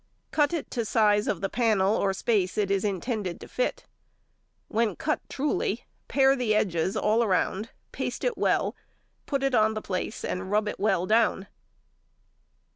Cut it to size of the panel or space it is intended to fit. When cut truly, pare the edges all round, paste it well, put it on the place and rub well down.